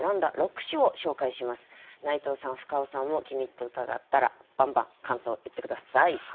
内藤さん深尾さんも気に入った歌があったらばんばん感想言って下さい。